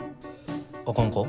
あかんか？